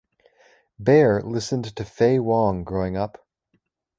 Bear listened to Faye Wong growing up.